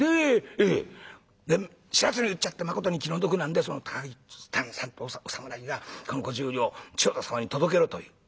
「で知らずに売っちゃってまことに気の毒なんでその高木さんってお侍がこの５０両千代田様に届けろと言う」。